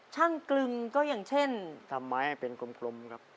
ช่างกลึงก็อย่างเช่นทำไม้ให้เป็นกลมครับ